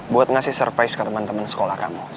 buat ngasih surprise ke temen temen sekolah kamu